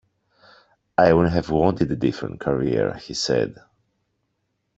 I wouldn't have wanted a different career, he said.